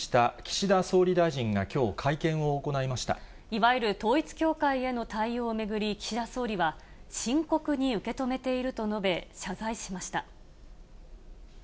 いわゆる統一教会への対応を巡り、岸田総理は、深刻に受け止めていると述べ、謝罪しました。